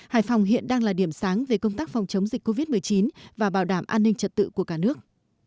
hải phòng hiện đang là điểm sáng về công tác phòng chống dịch covid một mươi chín và bảo đảm an ninh trật tự của cả nước